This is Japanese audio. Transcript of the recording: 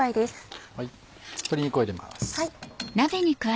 鶏肉を入れます。